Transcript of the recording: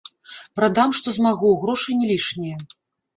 Прадам, што змагу, грошы не лішнія.